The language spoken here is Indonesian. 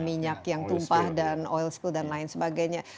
minyak yang tumpah dan oil skill dan lain sebagainya